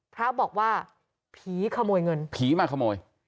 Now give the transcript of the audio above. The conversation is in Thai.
พระบอกว่าผีขโมยเงินผีมาขโมย